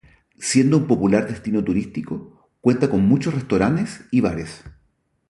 Siendo un popular destino turístico, cuenta con muchos restaurantes y bares.